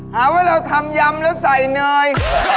หาว่าเราทำยำแล้วใส่เนย